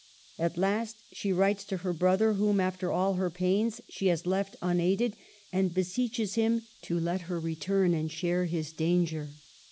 At last she writes to the brother whom, after all her pains, she has left unaided, and beseeches him to let her return and share his danger.